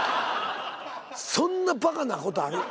そんなバカなことある？